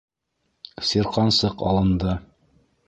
Сирҡансыҡ алынды!